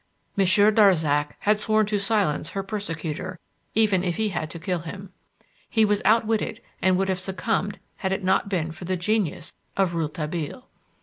Monsieur Darzac had sworn to silence her persecutor, even if he had to kill him. He was outwitted and would have succumbed had it not been for the genius of Rouletabille.